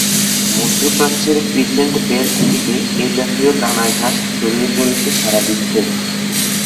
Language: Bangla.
মধ্যপ্রাচ্যের ক্রিসেন্ট বেল্ট থেকে এ জাতীয় দানা-ঘাস ছড়িয়ে পড়েছে সারা বিশ্বে।